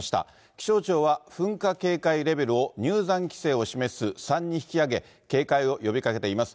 気象庁は噴火警戒レベルを入山規制を示す３に引き上げ、警戒を呼びかけています。